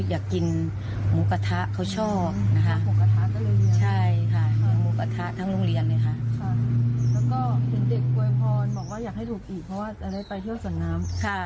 อยากให้ถูกอีกเพราะว่าจะได้ไปเที่ยวสวนน้ำค่ะ